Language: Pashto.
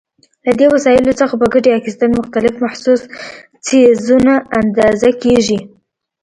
له دې وسایلو څخه په ګټې اخیستنې مختلف محسوس څیزونه اندازه کېږي.